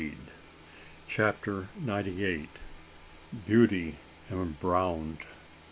CHAPTER NINETY EIGHT. BEAUTY EMBROWNED.